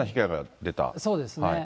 そうですね。